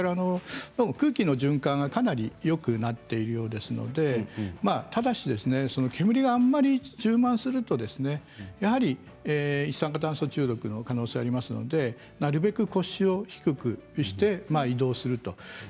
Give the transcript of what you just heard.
空気の循環がかなりよくなっているようですのでただし煙があまり充満するとやはり一酸化炭素中毒のおそれがありますのでなるべく腰を低くして移動する。